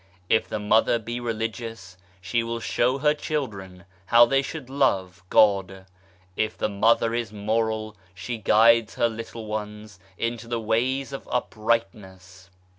If the Mother be religious she will show her children how they should love God. If the Mother is moral she guides her little ones into the ways of uprightness.